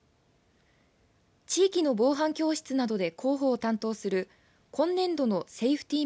地域の防犯教室などで広報を担当する今年度のセイフティー